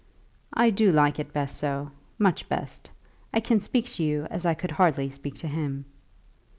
"I do like it best so, much best. I can speak to you as I could hardly speak to him."